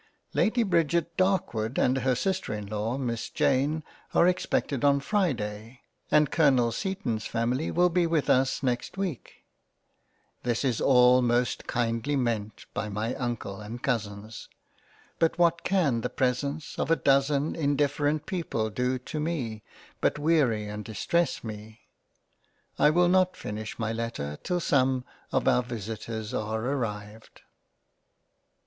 Lady Bridget Darkwood and her sister in law, Miss Jane are expected on Friday; and Colonel Seaton's family will be with us next week. This is all most kindly meant by my Uncle and Cousins ; but what can the presence of a dozen indefferent people do to me, but weary and distress me —. I will not finish my Letter till some of our Visitors are arrived.